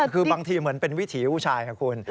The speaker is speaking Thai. คือบางทีเหมือนเป็นวิถีผู้ชายค่ะคุณ